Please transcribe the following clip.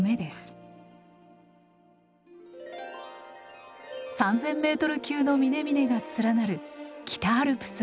３，０００メートル級の峰々が連なる北アルプスの立山連峰。